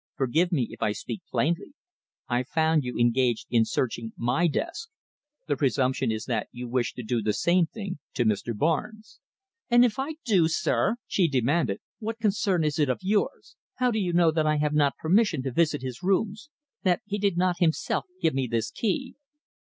Forgive me if I speak plainly. I found you engaged in searching my desk. The presumption is that you wish to do the same thing to Mr. Barnes'." "And if I do, sir!" she demanded, "what concern is it of yours? How do you know that I have not permission to visit his rooms that he did not himself give me this key?"